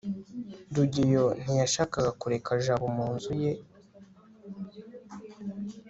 rugeyo ntiyashakaga kureka jabo mu nzu ye